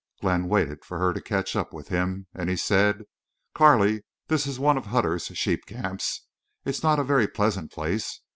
Glenn waited for her to catch up with him, and he said: "Carley, this is one of Hutter's sheep camps. It's not a—a very pleasant place.